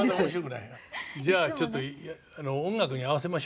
じゃあちょっと音楽に合わせましょうよ。